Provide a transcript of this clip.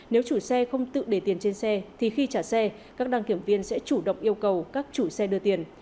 nếu chủ xe không tự để tiền trên xe thì khi trả xe các đăng kiểm viên sẽ chủ động yêu cầu các chủ xe đưa tiền